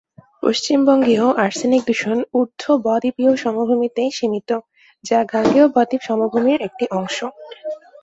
পশ্চিমবঙ্গেও arsenic দূষণ ঊর্ধ-বদ্বীপীয় সমভূমিতেই সীমিত যা গাঙ্গেয় বদ্বীপ সমভূমির একটি অংশ।